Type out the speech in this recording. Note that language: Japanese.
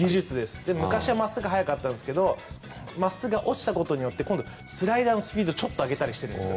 昔は真っすぐが速かったんですが真っすぐが落ちたことによってスライダーのスピードをちょっと上げたりしているんです。